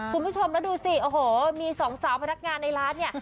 คุณผู้ชมแล้วดูสิโอ้โหมีสองสาวพนักงานในร้านเนี่ย